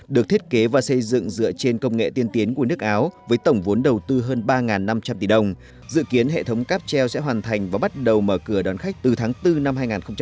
được thiết kế và xây dựng dựa trên công nghệ tiên tiến của nước áo với tổng vốn đầu tư hơn ba năm trăm linh tỷ đồng dự kiến hệ thống cáp treo sẽ hoàn thành và bắt đầu mở cửa đón khách từ tháng bốn năm hai nghìn hai mươi